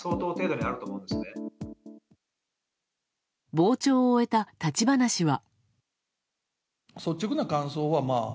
傍聴を終えた立花氏は。